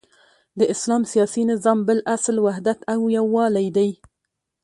د اسلام سیاسی نظام بل اصل وحدت او یوالی دی،